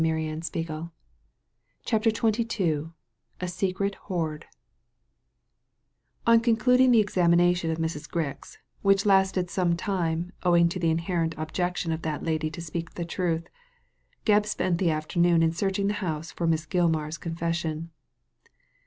Digitized by Google CHAPTER XXII A SECRET HOARD On concluding the examination of Mrs. Grix — ^which lasted some time^ owing to the inherent objection of that lady to speak the truth — Gebb spent the after ' noon in searching the house for Miss Gilmar's con , fession.